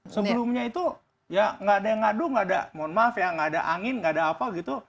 sebelumnya itu ya nggak ada yang ngadu nggak ada mohon maaf ya nggak ada angin nggak ada apa gitu